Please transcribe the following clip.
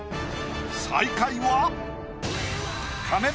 最下位は。